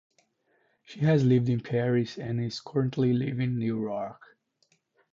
She has lived in Paris and is currently living in New York.